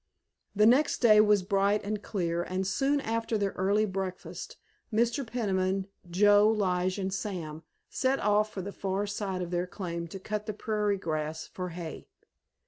The next day was bright and clear, and soon after their early breakfast Mr. Peniman, Joe, Lige, and Sam set off for the far side of their claim to cut the prairie grass for hay.